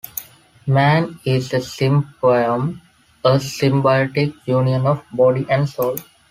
Man is a symbiome, a symbiotic union of body and soul.